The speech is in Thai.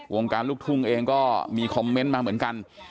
วงการลูกทุ่งเองก็มีคอมเมนต์มาเหมือนกัน